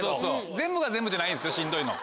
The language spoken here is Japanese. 全部が全部じゃないんですよしんどいの。